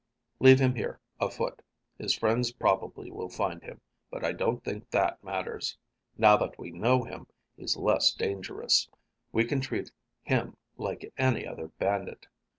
"Leave him here, afoot. His friends probably will find him, but I don't think that matters. Now that we know him, he's less dangerous. We can treat him like any other bandit."